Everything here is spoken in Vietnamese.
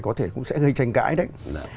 có thể cũng sẽ gây tranh cãi đấy